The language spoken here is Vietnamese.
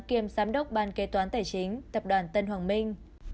kiêm giám đốc ban kế toán tài chính tập đoàn tân hoàng minh